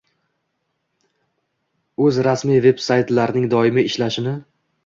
o‘z rasmiy veb-saytlarining doimiy ishlashini